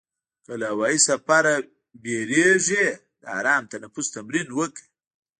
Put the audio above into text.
که له هوایي سفر وېرېږې، د آرام تنفس تمرین وکړه.